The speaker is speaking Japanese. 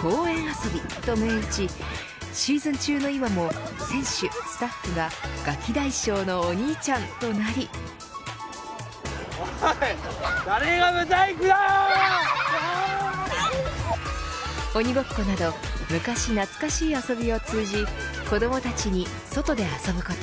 公園遊びと銘打ちシーズン中の今も選手、スタッフがガキ大将のお兄ちゃんとなり鬼ごっこなど昔懐かしい遊びを通じ子どもたちに外で遊ぶこと